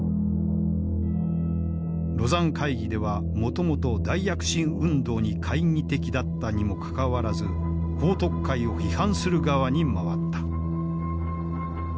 廬山会議ではもともと大躍進運動に懐疑的だったにもかかわらず彭徳懐を批判する側に回った。